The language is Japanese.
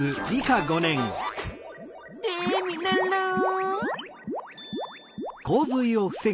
テミルンルン！